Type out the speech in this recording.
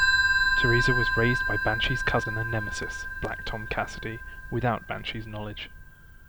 Theresa was raised by Banshee's cousin and nemesis Black Tom Cassidy without Banshee's knowledge.